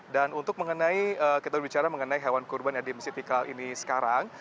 dan untuk kita bicara mengenai hewan kurban di masjid istiqlal ini sekarang